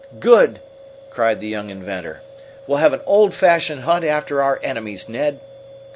"Good!" cried the young inventor. "We'll have an old fashioned hunt after our enemies, Ned!"